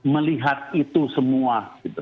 melihat itu semua